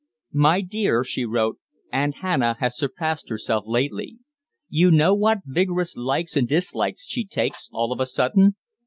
"My dear," she wrote, "Aunt Hannah has surpassed herself lately. You know what vigorous likes and dislikes she takes, all of a sudden?